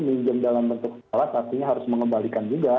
minjem dalam bentuk kelas artinya harus mengembalikan juga